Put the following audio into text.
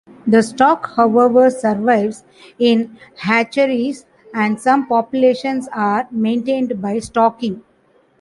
The stock however survives in hatcheries and some populations are maintained by stocking.